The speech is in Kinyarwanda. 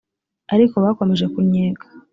ariko bakomeje kunnyega